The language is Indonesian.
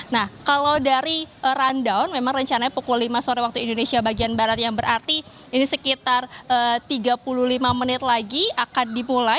nah kalau dari rundown memang rencananya pukul lima sore waktu indonesia bagian barat yang berarti ini sekitar tiga puluh lima menit lagi akan dimulai